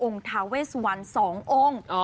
องค์ธาเวรสวรรษสององค์